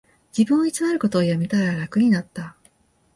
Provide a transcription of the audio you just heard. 自分を偽ることをやめたら楽になった